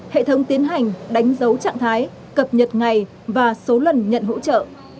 hệ thống tiến hành đánh dấu trạng thái cập nhật ngày và số lần nhận hỗ trợ